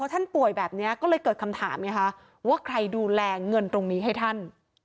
ท่านป่วยแบบนี้ก็เลยเกิดคำถามไงคะว่าใครดูแลเงินตรงนี้ให้ท่าน